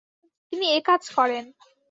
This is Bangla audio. তিনি একাজ করেন।